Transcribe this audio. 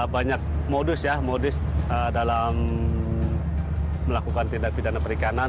banyak modus ya modus dalam melakukan tindak pidana perikanan